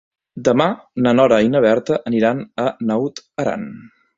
Demà na Nora i na Berta aniran a Naut Aran.